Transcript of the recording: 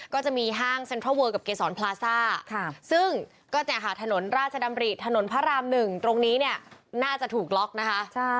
ก็จะมีห้างเซ็นทรัลเวิลกับเกษรพลาซ่าซึ่งก็จะหาถนนราชดำรีดถนนพระราม๑ตรงนี้เนี่ยน่าจะถูกล็อกนะคะ